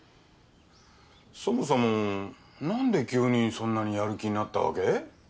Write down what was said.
そもそも何で急にそんなにやる気になったわけ？